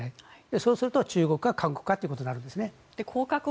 そうすると中国か韓国かということになるんですね。